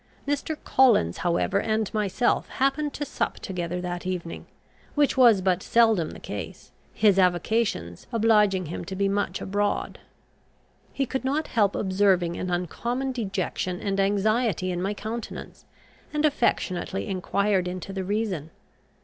Mr. Collins, however, and myself happened to sup together that evening, which was but seldom the case, his avocations obliging him to be much abroad. He could not help observing an uncommon dejection and anxiety in my countenance, and affectionately enquired into the reason.